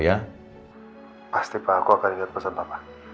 iya pasti pak aku akan lihat pesan papa